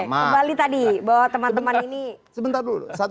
kembali tadi bahwa teman teman ini